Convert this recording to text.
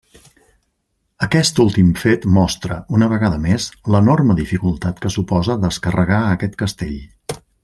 Aquest últim fet mostra, una vegada més, l'enorme dificultat que suposa descarregar aquest castell.